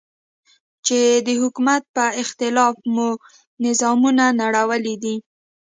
چې د حکومت په اختلاف مو نظامونه نړولي دي.